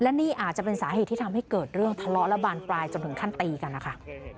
และนี่อาจจะเป็นสาเหตุที่ทำให้เกิดเรื่องทะเลาะและบานปลายจนถึงขั้นตีกันนะคะ